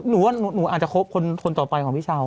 หนูว่าหนูอาจจะคบคนต่อไปของพี่เช้า